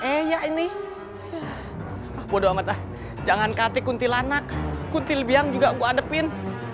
eyak ini bodo amat ah jangan kati kuntilanak kuntil biang juga gua adepin